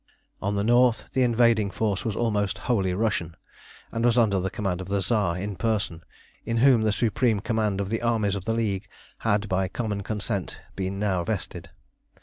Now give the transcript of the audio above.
On the north the invading force was almost wholly Russian, and was under the command of the Tzar in person, in whom the supreme command of the armies of the League had by common consent been now vested.